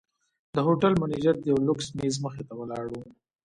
د هوټل منیجر د یوه لوکس میز مخې ته ولاړ و.